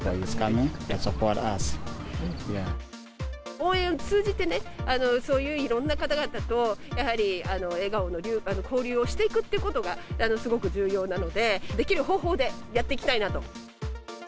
応援を通じてね、そういういろんな方々と、やはり笑顔の交流をしていくということが、すごく重要なので、できる方法でやっていきたいなと。